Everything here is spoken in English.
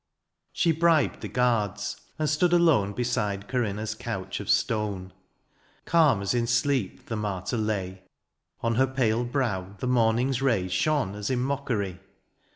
She bribed the guards, and stood alone Beside Corinna^s couch of stone. Calm as in sleep the martyr lay ; On her pale brow the moming^s ray Shone as in mockery.